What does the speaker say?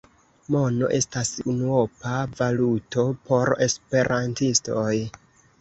Mono estas unuopa valuto por esperantistoj.